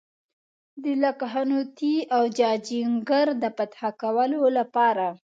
د لکهنوتي او جاجینګر د فتح کولو لپاره.